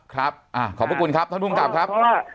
ครับขอบพระคุณครับท่านพุงกรรมครับ